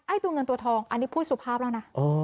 ตัวเงินตัวทองอันนี้พูดสุภาพแล้วนะ